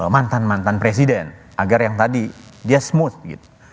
mantan mantan presiden agar yang tadi dia smooth gitu